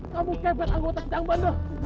kamu kepet anggota kidang bandar